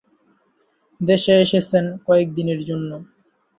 দেশে এসেছেন কয়েক দিনের জন্য।